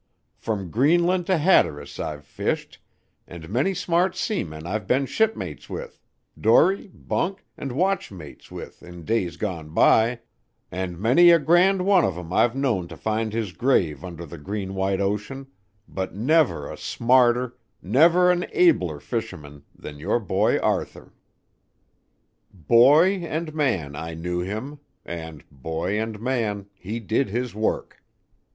From Greenland to Hatteras I've fished, and many smart seamen I've been shipmates with dory, bunk, and watch mates with in days gone by and many a grand one of 'em I've known to find his grave under the green white ocean, but never a smarter, never an abler fisherman than your boy Arthur. Boy and man I knew him, and, boy and man, he did his work.